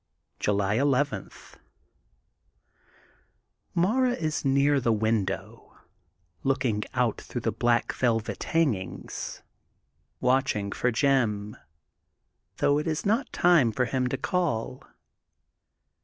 July 11 :— ^Mara is :iear the window looking out through the black velvet hangings, watch ing for Jim, though it is not time for him to call.